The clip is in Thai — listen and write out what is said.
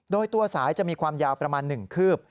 โดยตัวสายจะมีความยาวประมาณ๑คืบ